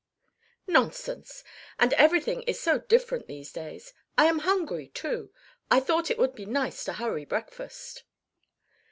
"Nonsense. And everything is so different these days. I am hungry, too. I thought it would be nice to hurry breakfast."